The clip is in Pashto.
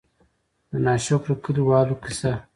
د نا شکره کلي والو قيصه :